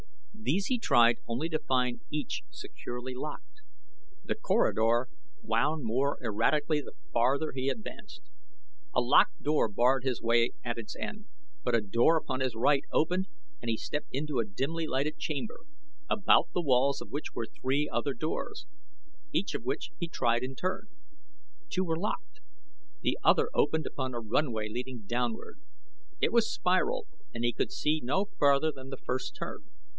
These he tried only to find each securely locked. The corridor wound more erratically the farther he advanced. A locked door barred his way at its end, but a door upon his right opened and he stepped into a dimly lighted chamber, about the walls of which were three other doors, each of which he tried in turn. Two were locked; the other opened upon a runway leading downward. It was spiral and he could see no farther than the first turn.